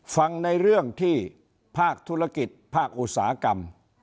ฟังในเรื่องที่ภาคธุรกิจภาคอุตสาหกรรม